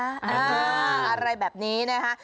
อะไรแบบนี้นะคะ